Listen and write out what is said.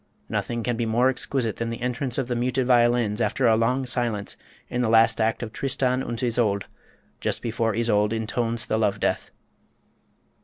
Nothing can be more exquisite than the entrance of the muted violins after a long silence, in the last act of "Tristan und Isolde," just before Isolde intones the Love Death.